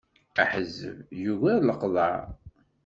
Aḥezzeb yugar leqḍeɛ.